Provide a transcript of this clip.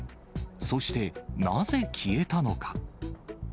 そしてなぜ消えたのか。